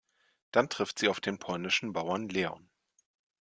Dann trifft sie auf den polnischen Bauern Leon.